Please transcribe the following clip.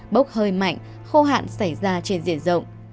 bốc hơi mạnh khô hạn xảy ra trên diện rộng